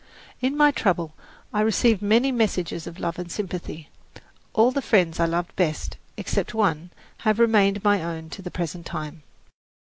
In my trouble I received many messages of love and sympathy. All the friends I loved best, except one, have remained my own to the present time.